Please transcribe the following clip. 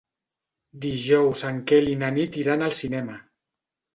Dijous en Quel i na Nit iran al cinema.